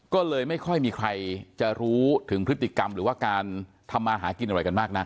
ก็เลยไม่ค่อยมีใครจะรู้ถึงพฤติกรรมหรือว่าการทำมาหากินอะไรกันมากนัก